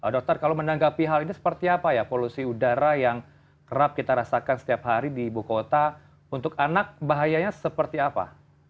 dokter kalau menanggapi hal ini seperti apa ya polusi udara yang kerap kita rasakan setiap hari di ibu kota untuk anak bahayanya seperti apa